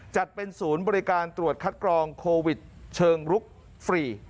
จัดเป็นศูนย์บริการตรวจคัดกรองโควิดเชิงลุกฟรี